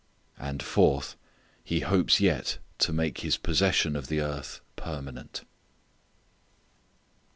And, fourth, he hopes yet to make his possession of the earth permanent.